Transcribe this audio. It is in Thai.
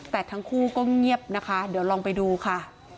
แต่ทั้งคู่ก็เงียบนะคะเดี๋ยวลองไปดูค่ะ